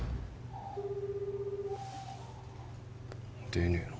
出ねえな。